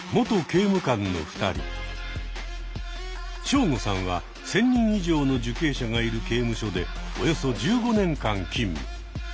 ショウゴさんは１，０００人以上の受刑者がいる刑務所でおよそ１５年間勤務。